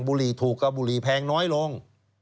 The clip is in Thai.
บุหรี่ถูกกับบุหรี่แพงน้อยลง